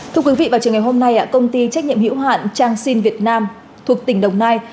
thưa quý vị và chương trình hôm nay công ty trách nhiệm hữu hạn trang sin việt nam thuộc tỉnh đồng nai